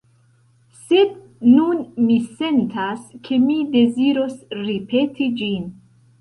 Sed nun mi sentas, ke mi deziros ripeti ĝin.